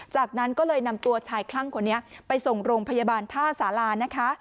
จากนั้นก็เลยนำตัวชายคลั่งคนนี้ไปส่งโรงพยาบาลท่าสารานะคะ